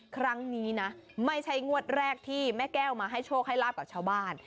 ครั้งนี้นะไม่ใช่งวดแรกที่แม่แก้วมาให้โชคให้ลาบกับชาวบ้าน